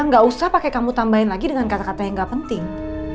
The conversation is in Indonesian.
gak usah pakai kamu tambahin lagi dengan kata kata yang gak penting